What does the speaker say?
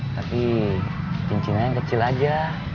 tapi cincinnya yang kecil aja